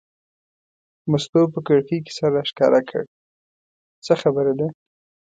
مستو په کړکۍ کې سر راښکاره کړ: څه خبره ده.